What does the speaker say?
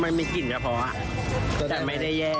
มันมีกลิ่นก็เพราะแต่ไม่ได้แย่